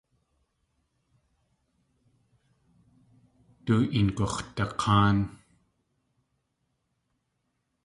Du een gux̲dak̲áan.